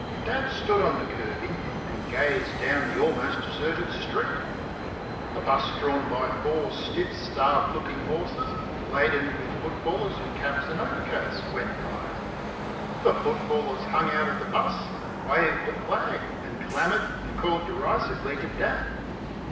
Dad stood on the kerbing and gazed down the almost deserted street. A 'bus drawn by four stiff, starved looking horses, laden with footballers in caps and overcoats, went by. The footballers hung out of the 'bus and waved a flag, and clamoured and called derisively to Dad.